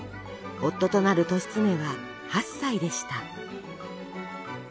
夫となる利常は８歳でした。